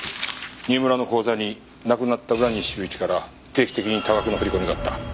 新村の口座に亡くなった浦西修一から定期的に多額の振り込みがあった。